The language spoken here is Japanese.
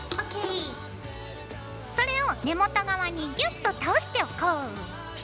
それを根元側にギュッと倒しておこう。